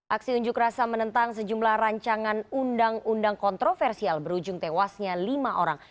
aksi unjuk rasa menentang sejumlah rancangan undang undang kontroversial berujung tewasnya lima orang